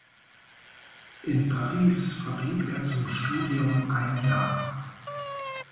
In Paris verblieb er zum Studium ein Jahr.